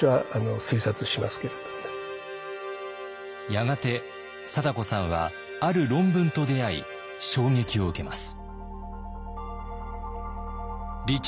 やがて貞子さんはある論文と出会い衝撃を受けます。